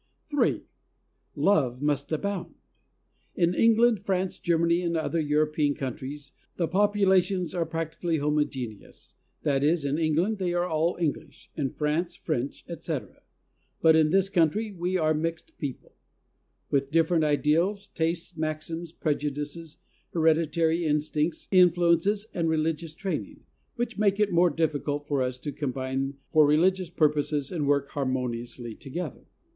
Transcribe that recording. HI. Love must abound. In England, France, Germany and other European countries, the populations are practically homogeneous — that is, in England they are all English; in France, French, etc.; but in this country we are mixed people, with different ideals, tastes, maxims, prejudices, hereditary instincts, influences and religious training, which make it more difficult for us KEEPING THE FLOCK. 127 to combine for religious purposes and work harmoniously together.